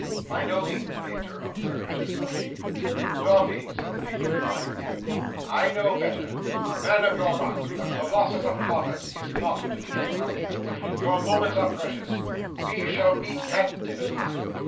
"By no means, Major," observed Mr Dombey. "Dombey," said the Major, defiantly, "I know better; a man of your mark—the Colossus of commerce—is not to be interrupted. Your moments are precious. We shall meet at dinner time.